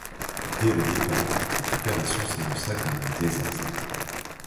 Dès le départ, cette opération s'annonça comme un désastre.